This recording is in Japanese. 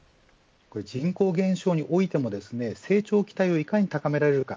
人口減少においても成長期待をいかに高められるか。